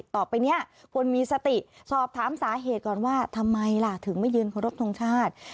ต่อไปเนี่ยควรมีสติสอบถามสาเหตุก่อนว่าทำไมล่ะถึงไม่ยืนเคารพทงชาติ